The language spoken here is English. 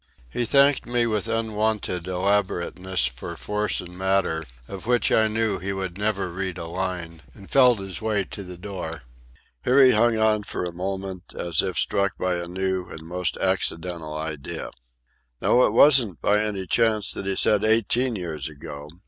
He thanked me with unwonted elaborateness for Force and Matter, of which I knew he would never read a line, and felt his way to the door. Here he hung on for a moment, as if struck by a new and most accidental idea. "Now it wasn't, by any chance, that he said eighteen years ago?"